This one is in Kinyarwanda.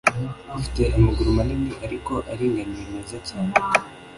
Afite amaguru manini ariko aringaniye meza cyane